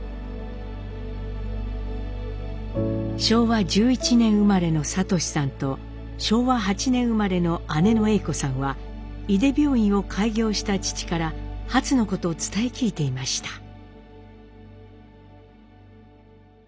昭和１１年生まれの聰さんと昭和８年生まれの姉の瑛子さんは井手病院を開業した父からハツのことを伝え聞いていました。